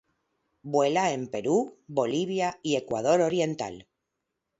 Vuela en Perú, Bolivia y Ecuador oriental.